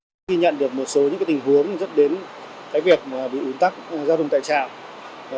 chúng tôi nhận được một số tình huống rất đến việc bị un tắc giao thông tại trạm